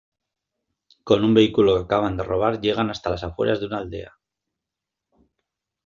Con un vehículo que acaban de robar llegan hasta las afueras de una aldea.